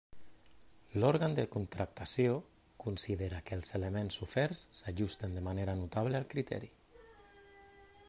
L'òrgan de contractació considera que els elements oferts s'ajusten de manera notable al criteri.